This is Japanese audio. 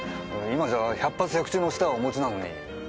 今じゃ百発百中の舌をお持ちなのに。